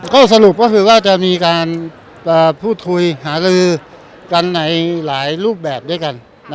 สรุปก็คือว่าจะมีการพูดคุยหารือกันในหลายรูปแบบด้วยกัน